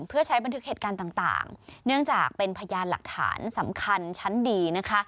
เพื่อใช้บันทึกเหตุการณ์ต่างเนื่องจากเป็นพยานหลักฐานสำคัญชั้นดีนะคะ